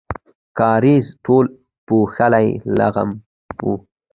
کاریز ټول پوښلی لغم و.